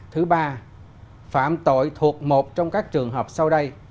thứ ba phạm tội thuộc một trong các trường hợp sau đây